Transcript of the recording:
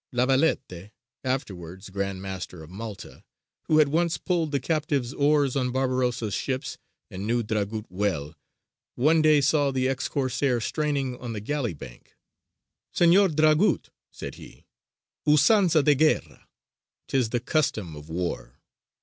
La Valette, afterwards Grand Master of Malta, who had once pulled the captive's oar on Barbarossa's ships and knew Dragut well, one day saw the ex Corsair straining on the galley bank: "Señor Dragut," said he, "usanza de guerra! 'tis the custom of war!"